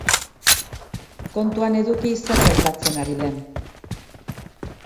Kontuan eduki zer gertatzen ari den.